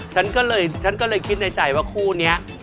ฉันก็เลยคิดในใจว่าคู่นี้